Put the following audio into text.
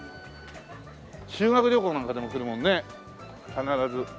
修学旅行なんかでも来るもんね必ず。